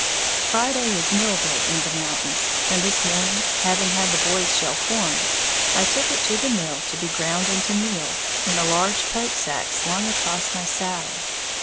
Friday is mill day in the mountains, and this morning, having had the boys shell corn, I took it to mill to be ground into meal, in a large "poke" (sack) slung across my saddle.